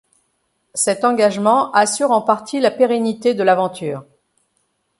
Cet engagement assure en partie la pérennité de l’aventure.